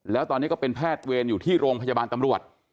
แล้วตอนนี้ก็เป็นแพทย์เวรอยู่ที่โรงพยาบาลตำรวจ